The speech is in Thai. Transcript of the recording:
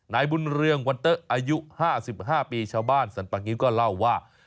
นายบุญเรืองวันเต๊ะอายุ๕๕ปีชาวบ้านสรรปะงิ้วก็เล่าว่า